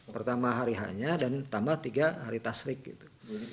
pertama hari hanya dan tambah tiga hari tasrik gitu